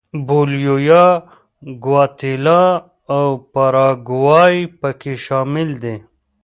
بولیویا، ګواتیلا او پاراګوای په کې شامل دي.